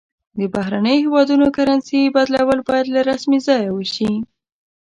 د بهرنیو هیوادونو کرنسي بدلول باید له رسمي ځایه وشي.